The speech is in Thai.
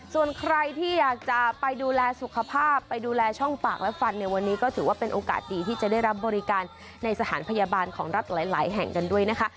ส่วนใครที่อยากจะไปดูแลสุขภาพไปดูแลช่องปากและฟันในวันนี้ก็ถือว่าเป็นโอกาสดีที่จะได้รับบริการในสถานพยาบาลของรัฐหลายแห่งกันด้วยนะคะ